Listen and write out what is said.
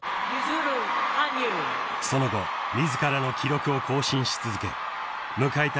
［その後自らの記録を更新し続け迎えた